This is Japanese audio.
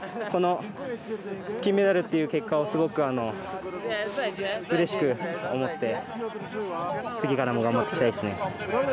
この金メダルという結果をすごくうれしく思って次からも頑張っていきたいですね。